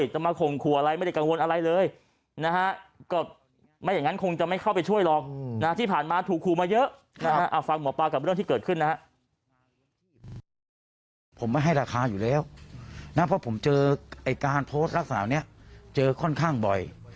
ผมไม่ให้ราคาอยู่แล้วนะเพราะผมเจอไอ้การโพสต์ลักษณะนี้เจอค่อนข้างบ่อย